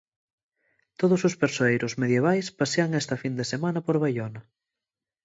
Todos os persoeiros medievais pasean esta fin de semana por Baiona.